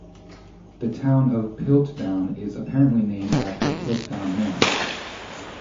The town of Piltdown is apparently named after Piltdown Man.